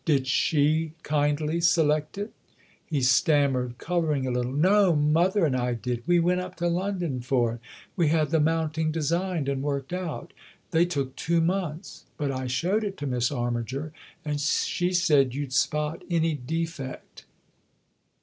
" Did she kindly select it ?" He stammered, colouring a little. " No ; mother and I did. We went up to London for it ; we had the mounting designed and worked out. They took two months. But I showed it to Miss Armiger and she said you'd spot any defect."